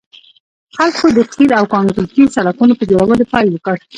خلکو د قیر او کانکریټي سړکونو په جوړولو پیل وکړ